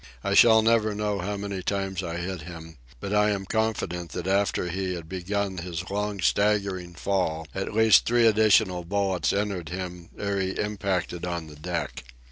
I shall never know how many times I hit him, but I am confident that after he had begun his long staggering fall at least three additional bullets entered him ere he impacted on the deck.